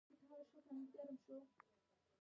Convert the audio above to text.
دا له نورو ډلو سره روغې جوړې ته نه رسېږي.